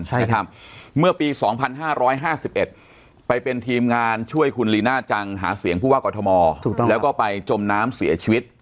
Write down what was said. ใช่ครับเมื่อปี๒๕๕๑ไปเป็นทีมงานช่วยคุณลีน่าจังหาเสียงผู้ว่ากอทมแล้วก็ไปจมน้ำเสียชีวิต